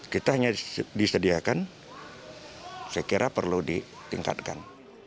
kita hanya disediakan saya kira perlu ditingkatkan